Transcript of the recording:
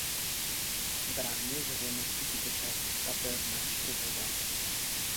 Bránil veřejnosti tuto část Tater navštěvovat.